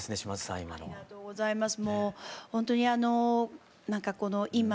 ありがとうございます。